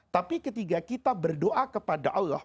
tapi ketika kita berdoa kepada allah